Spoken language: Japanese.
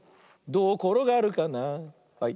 どうころがるかなはい。